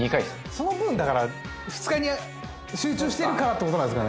その分だから２日に集中してるからって事なんですかね？